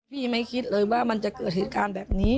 ไม่คิดเลยว่ามันจะเกิดเหตุการณ์แบบนี้